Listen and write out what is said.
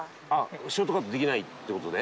ショートカットできないって事ね。